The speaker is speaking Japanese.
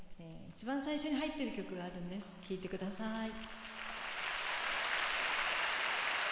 一番最初に入ってる曲があるんです聴いて下さい。